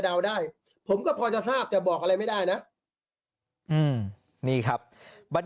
ได้ผมก็พอจะทราบแต่บอกอะไรไม่ได้นะอืมนี่ครับบรร